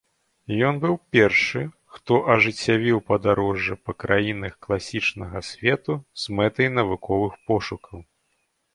Ён быў першы, хто ажыццявіў падарожжы па краінах класічнага свету з мэтай навуковых пошукаў.